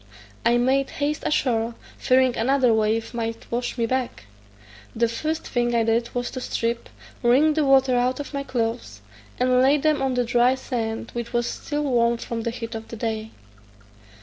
I made haste ashore, fearing another wave might wash me back. The first thing I did was to strip, wring the water out of my clothes, and lay them on the dry sand, which was still warm from the heat of the day.